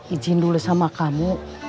ijin dulu sama kamu